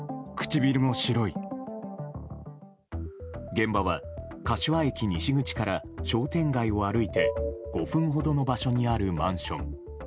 現場は柏駅西口から商店街を歩いて５分ほどの場所にあるマンション。